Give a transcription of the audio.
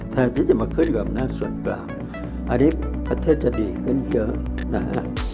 แทนที่จะมาขึ้นกับอำนาจส่วนกลางอันนี้ประเทศจะดีขึ้นเยอะนะฮะ